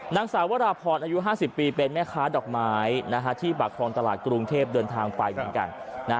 นางสาววราพรอายุ๕๐ปีเป็นแม่ค้าดอกไม้ที่ปากคลองตลาดกรุงเทพเดินทางไปเหมือนกัน